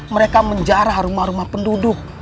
mereka menjarah rumah rumah penduduk